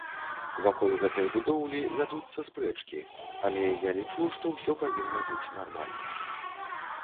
Вакол гэтай будоўлі вядуцца спрэчкі, але, я лічу, што ўсё павінна быць нармальна.